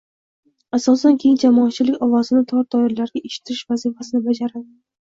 asosan keng jamoatchilik ovozini tor doiralarga eshittirish vazifasini bajaradi.